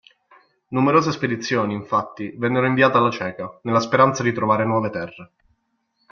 Numerose spedizioni, infatti, vennero inviate alla cieca, nella speranza di trovare nuove terre.